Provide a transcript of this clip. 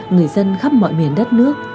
người dân khắp mọi miền đất nước